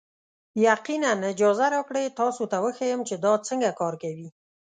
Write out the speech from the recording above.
یقینا، اجازه راکړئ تاسو ته وښیم چې دا څنګه کار کوي.